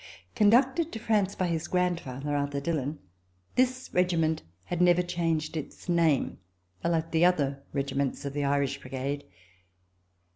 Conducted to France by his grandfather, Arthur Dillon, this regiment had never changed its name, like the other regiments of the Irish Brigade.